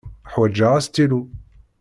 Ḥwaǧeɣ astilu.